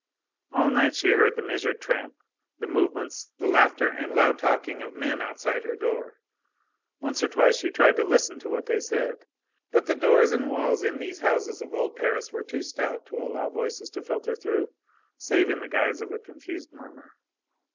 All night she heard the measured tramp, the movements, the laughter and loud talking of men outside her door. Once or twice she tried to listen to what they said. But the doors and walls in these houses of old Paris were too stout to allow voices to filter through, save in the guise of a confused murmur.